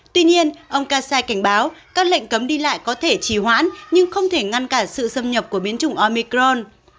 tuy nhiên ông kassai cảnh báo các lệnh cấm đi lại có thể trì hoãn nhưng không thể ngăn cản sự xâm nhập của biến chủng omicron